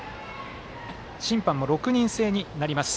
審判も６人制になります。